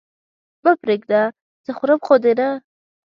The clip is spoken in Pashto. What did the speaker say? مه پرېږده! څه خورم خو دې نه؟